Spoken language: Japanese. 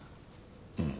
うん。